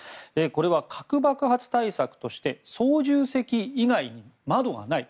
これは核爆発対策として操縦席以外に窓がない。